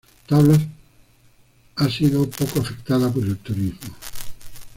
Tablas ha sido poco afectada por el turismo.